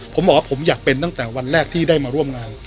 ผมบอกว่าผมอยากเป็นตั้งแต่วันแรกที่ได้มาร่วมงาน